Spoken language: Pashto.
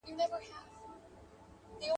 • چي زما او ستا بايده دي، ليري او نژدې څه دي.